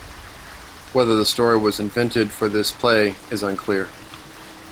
Whether the story was invented for this play is unclear.